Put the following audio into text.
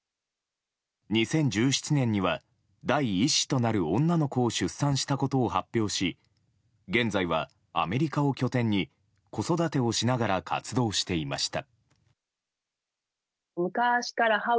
２０１７年には第１子となる女の子を出産したことを発表し現在はアメリカを拠点に子育てをしながら活動していました。